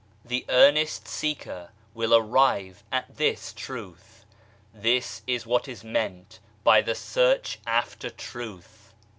The earnest seeker will arrive at this Truth. This is what is meant by the " Search after Truth."